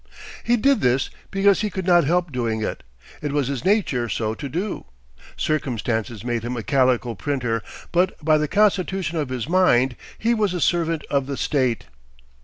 He did this because he could not help doing it. It was his nature so to do. Circumstances made him a calico printer, but by the constitution of his mind he was a servant of the State.